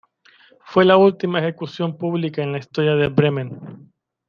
Fue la última ejecución pública en la historia de Bremen.